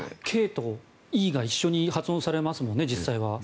ＫとＥが実際に発音されますもんね、実際は。